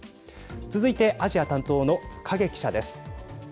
続いてアジア担当の影記者です。